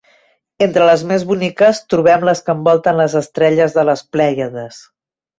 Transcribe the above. Entre les més boniques trobem les que envolten les estrelles de les Plèiades.